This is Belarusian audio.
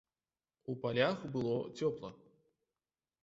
У палях было цёпла.